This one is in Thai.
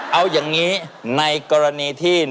เอาอย่างนี้ในกรณีที่